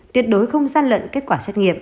tuyệt đối không gian lận kết quả xét nghiệm